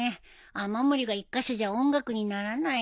雨漏りが１カ所じゃ音楽にならないや。